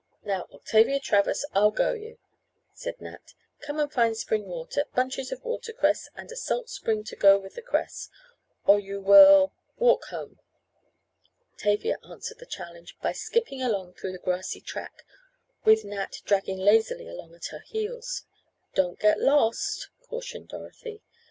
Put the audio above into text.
Now, Octavia Travers, I'll go you," said Nat. "Come and find spring water, bunches of watercress and a salt spring to go with the cress, or you will walk home." Tavia answered the challenge by skipping along through the grassy track, with Nat dragging lazily along at her heels. "Don't get lost," cautioned Dorothy.